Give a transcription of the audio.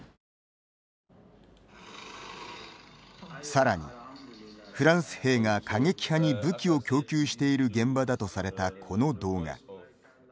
さらに、フランス兵が過激派に武器を供給している現場だとされた、この動画。